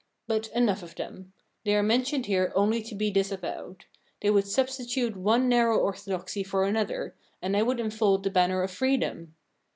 But enough of them. They are mentioned here only to be disavowed. They would substitute one narrow orthodoxy for another, and I would unfold the banner of freedom.